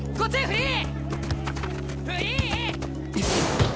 フリー！